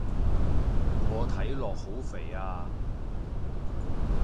我睇落好肥啊